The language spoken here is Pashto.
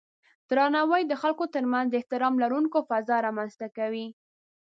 درناوی د خلکو ترمنځ د احترام لرونکی فضا رامنځته کوي.